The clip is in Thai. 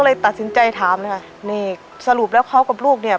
เลยตัดสินใจถามเลยค่ะนี่สรุปแล้วเขากับลูกเนี่ย